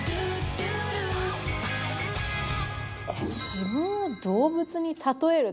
自分を動物に例えると？